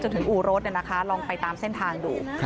จนถึงอู่รถเนี่ยนะคะลองไปตามเส้นทางดู